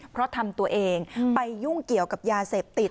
เพราะทำตัวเองไปยุ่งเกี่ยวกับยาเสพติด